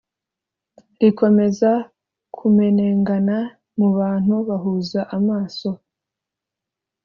rikomeza kumenengana mubantu bahuza amaso